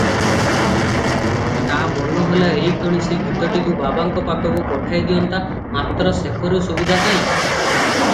ତା ମନ ହେଲା ଏହିକ୍ଷଣି ସେ ଗୀତଟିକୁ ବାବାଙ୍କ ପାଖକୁ ପଠେଇ ଦିଅନ୍ତା- ମାତ୍ର ସେପରି ସୁବିଧା କାଇଁ?